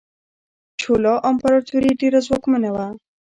چولا امپراتوري ډیره ځواکمنه وه.